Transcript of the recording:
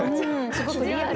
すごくリアル。